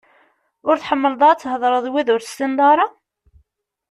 Ur tḥemmleḍ ara ad theḍṛeḍ d wid ur tessineḍ ara?